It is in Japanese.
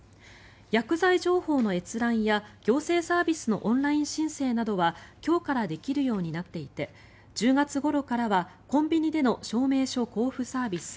薬剤情報の閲覧や行政サービスのオンライン申請などは今日からできるようになっていて１０月ごろからはコンビニでの証明書交付サービス